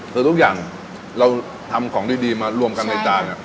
คือทุกอย่างเราทำของดีมารวมกันในจาน